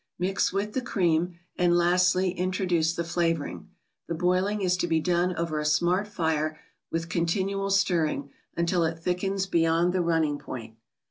Mix with the cream, and lastly, introduce the flavoring. The boiling is to be done over a smart fire, with continual stirring, until it thickens beyond the running point.